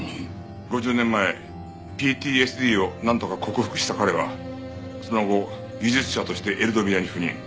５０年前ＰＴＳＤをなんとか克服した彼はその後技術者としてエルドビアに赴任。